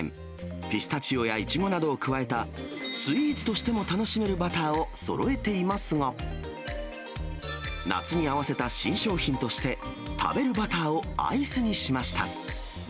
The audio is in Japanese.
ピスタチオやいちごなどを加えたスイーツとしても楽しめるバターをそろえていますが、夏に合わせた新商品として、食べるバターをアイスにしました。